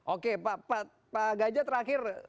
oke pak gajah terakhir